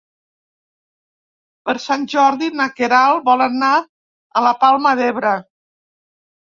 Per Sant Jordi na Queralt vol anar a la Palma d'Ebre.